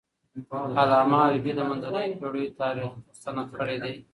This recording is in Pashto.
علامه حبيبي د منځنیو پېړیو تاریخ مستند کړی دی.